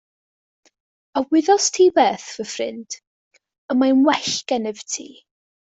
A wyddost ti beth fy ffrind, y mae'n well gennyf i ti.